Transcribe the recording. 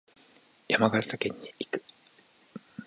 山形県に行く。